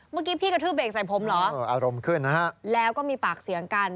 เมื่อกี้พี่กระทืบเบรกใส่พรมเหรอแล้วก็มีปากเสียงกัน